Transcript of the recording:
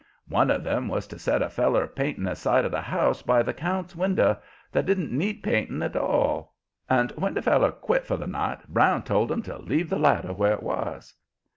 One of 'em was to set a feller painting a side of the house by the count's window, that didn't need painting at all. And when the feller quit for the night, Brown told him to leave the ladder where 'twas.